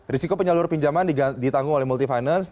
risiko penyalur pinjaman ditanggung oleh multi finance